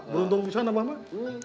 beruntung pisah abah mah